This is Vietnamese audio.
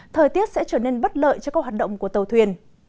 thời tiết sẽ trở nên bất lợi cho các hoạt động của tàu thuyền